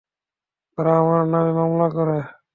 ওরা আমার নামে মামলা করে।